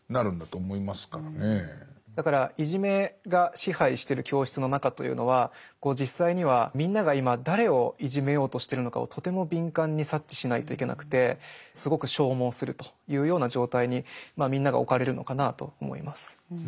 だからいじめが支配してる教室の中というのは実際にはみんなが今誰をいじめようとしてるのかをとても敏感に察知しないといけなくてすごく消耗するというような状態にみんなが置かれるのかなと思います。